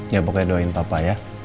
ya pokoknya doain papa ya